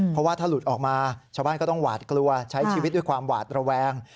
เพราะว่าถ้าหลุดออกมาชาวบ้านก็ต้องหวาดกลัวใช้ชีวิตด้วยความหวาดระแวง